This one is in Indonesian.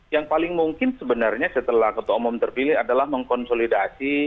yang paling mungkin sebenarnya setelah ketua umum terpilih adalah mengkonsolidasi